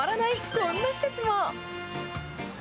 こんな施設も。